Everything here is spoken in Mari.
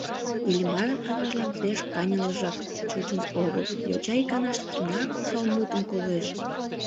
Иллимарын аважлан пеш каньылыжак чучын огыл: йоча иканаште тунар осал мутым колеш.